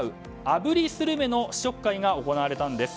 あぶりスルメの試食会が行われたんです。